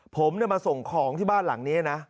ผมมาส่งของที่บ้านหลังนี้นะ